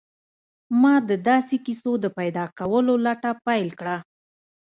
ما د داسې کیسو د پیدا کولو لټه پیل کړه